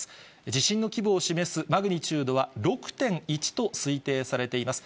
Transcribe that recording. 地震の規模を示すマグニチュードは６．１と推定されています。